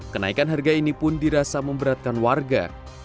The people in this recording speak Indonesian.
kenaikan harga ini pun dirasa memberatkan warga